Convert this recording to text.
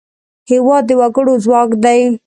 هېواد د وګړو ځواک دی.